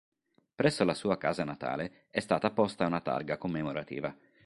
Presso la sua casa natale è stata posta una targa commemorativa.